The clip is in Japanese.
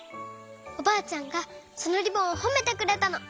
おばあちゃんがそのリボンをほめてくれたの。